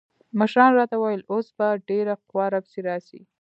مشرانو راته وويل اوس به ډېره قوا را پسې راسي.